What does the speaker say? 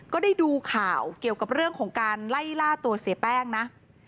ก็ได้ดูข่าวเกี่ยวกับเรื่องของการไล่ล่าตัวเสียแป้งนะ